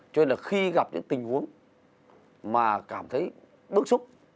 cho nên là khi gặp những tình huống mà cảm thấy bức xúc